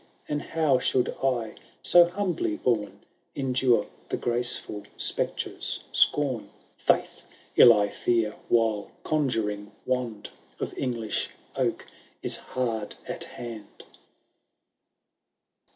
And how should I, so humbly bom. Endure the gracefiil spectre^s scorn ? Faith ! ill, I fear, while conjuring wand Of English oak is haxd at hand.